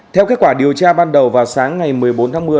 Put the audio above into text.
theo kết quả điều tra ban đầu vào sáng ngày một mươi bốn tháng một mươi